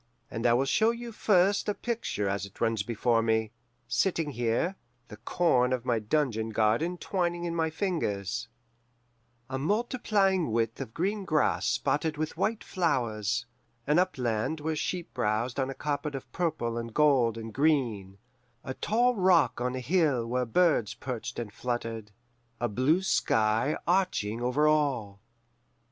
And I will show you first a picture as it runs before me, sitting here, the corn of my dungeon garden twining in my fingers: "A multiplying width of green grass spotted with white flowers, an upland where sheep browsed on a carpet of purple and gold and green, a tall rock on a hill where birds perched and fluttered, a blue sky arching over all.